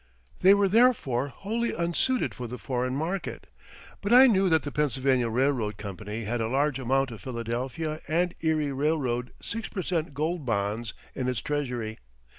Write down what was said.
They were therefore wholly unsuited for the foreign market. But I knew that the Pennsylvania Railroad Company had a large amount of Philadelphia and Erie Railroad six per cent gold bonds in its treasury.